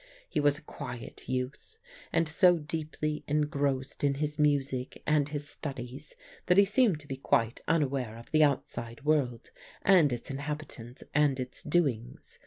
He was a quiet youth, and so deeply engrossed in his music and his studies that he seemed to be quite unaware of the outside world and its inhabitants and its doings.